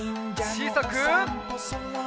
ちいさく。